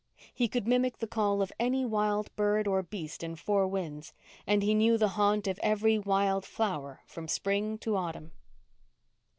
He could mimic the call of any wild bird or beast in Four Winds and he knew the haunt of every wild flower from spring to autumn.